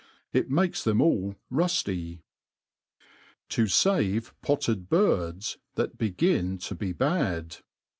It makes them all rufty* To/ave potu4 Birdsy that bigin to hi had.